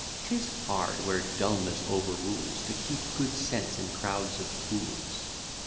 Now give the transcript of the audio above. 'Tis hard, where dulness overrules, To keep good sense in crowds of fools.